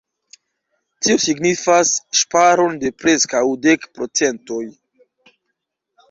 Tio signifas ŝparon de preskaŭ dek procentoj.